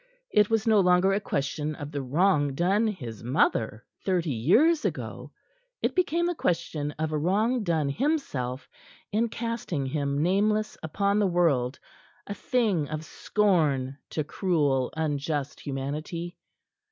It was no longer a question of the wrong done his mother thirty years ago; it became the question of a wrong done himself in casting him nameless upon the world, a thing of scorn to cruel, unjust humanity.